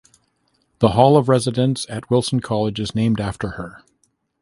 A hall of residence at Wilson College is named after her.